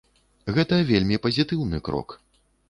Гэта вельмі пазітыўны крок.